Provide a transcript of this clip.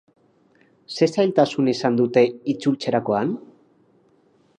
Ze zailtasun izan dute itzultzerakoan?